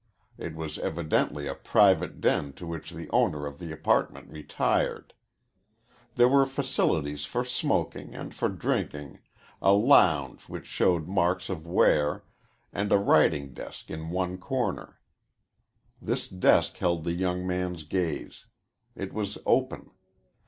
It was evidently a private den to which the owner of the apartment retired. There were facilities for smoking and for drinking, a lounge which showed marks of wear, and a writing desk in one corner. This desk held the young man's gaze. It was open.